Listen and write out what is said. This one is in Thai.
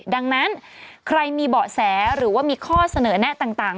ดังนั้นใครมีเบาะแสหรือว่ามีข้อเสนอแนะต่าง